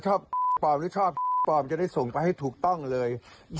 ชอบปลอมหรือชอบปลอมจะได้ส่งไปให้ถูกต้องเลย